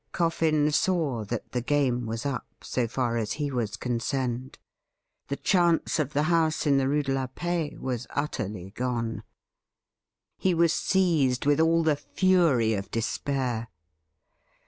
Coffin saw that the game was up, so far as he was con cerned ; the chance of the house in the Rue de la Paix was utterly gone. He was seized with all the fury of despair.